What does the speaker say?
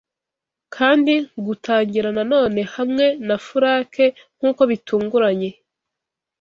Kandi gutangira nanone hamwe na furake nkuko bitunguranye